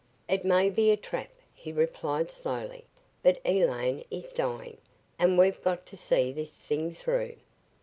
"It may be a trap," he replied slowly, "but Elaine is dying and we've got to see this thing through."